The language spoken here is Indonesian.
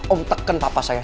om teken papa saya